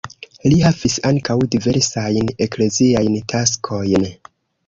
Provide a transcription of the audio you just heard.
Li havis ankaŭ diversajn ekleziajn taskojn.